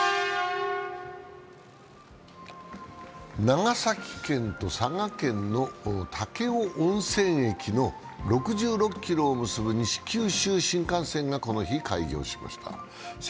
長崎県と佐賀県の武雄温泉駅の６６ｋｍを結ぶ西九州新幹線が、この日開業しました。